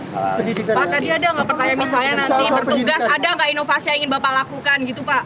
pak tadi ada nggak pertanyaan misalnya nanti bertugas ada nggak inovasi yang ingin bapak lakukan gitu pak